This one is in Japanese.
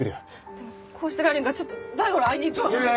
でもこうしてられへんからちょっと大五郎会いに行くわ！